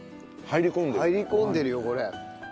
入り込んでるよこれ。